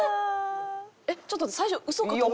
えっちょっと最初ウソかと。